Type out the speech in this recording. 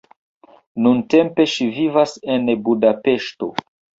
Nuntempe ŝi vivas en Budapeŝto.